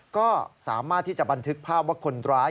ก็สามารถที่จะบันทึกภาพว่าคนร้าย